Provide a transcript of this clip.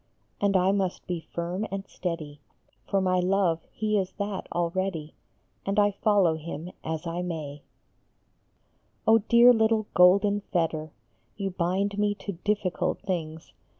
And I must be firm and steady ; For my Love, he is that already, And I follow him as I may. O dear little golden fetter, You bind me to difficult things ; SOME LOVER S DEAR THOUGHT.